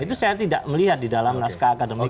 itu saya tidak melihat di dalam naskah akademik